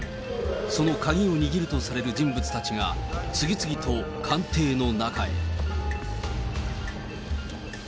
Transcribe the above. その鍵を握るとされる人物たちが、次々と官邸の中へ。